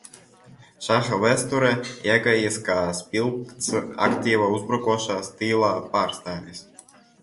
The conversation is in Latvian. Šaha vēsturē iegājis kā spilgts aktīva uzbrūkošā stila pārstāvis.